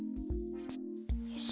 よし。